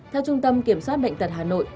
theo trung tâm kiểm soát đệnh tật hà nội